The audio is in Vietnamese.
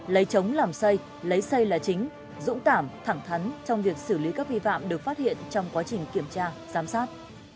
lấy trống làm xây lấy xây là chính dũng cảm thẳng thắn trong việc xử lý các vi phạm được phát hiện trong quá trình kiểm tra giám sát